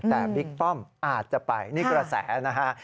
แต่บิ๊กป้อมอาจจะไปนี่กระแสนะฮะ